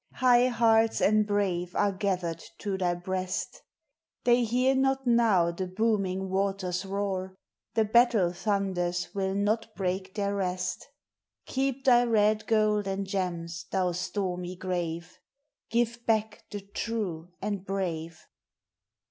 High hearts and brave are gathered to thy breast ! They hear not now the booming waters roar, The battle thunders will not break their rest. — Keep thy red gold and gems, thou stormy grave! Give back the true and brave!